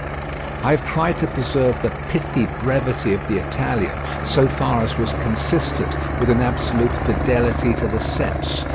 I have tried to preserve the pithy brevity of the Italian so far as was consistent with an absolute fidelity to the sense.